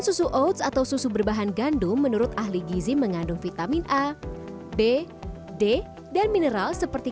susu oats atau susu berbahan gandum menurut ahli gizi mengandung vitamin a b d dan mineral seperti